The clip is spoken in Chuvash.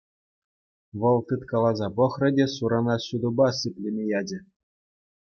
Вӑл тыткаласа пӑхрӗ те сурана ҫутӑпа сиплеме ячӗ.